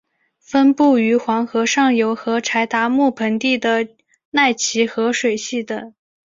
分布于黄河上游和柴达木盆地的奈齐河水系等。